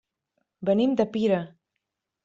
Venim de Pira.